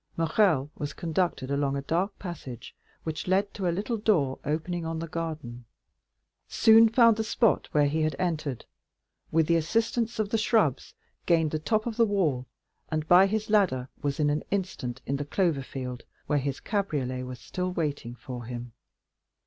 Morrel was conducted along a dark passage, which led to a little door opening on the garden, soon found the spot where he had entered, with the assistance of the shrubs gained the top of the wall, and by his ladder was in an instant in the clover field where his cabriolet was still waiting for him.